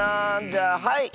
じゃあはい！